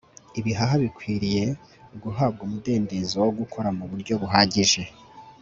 ibihaha bikwiriye guhabwa umudendezo wo gukora mu buryo buhagije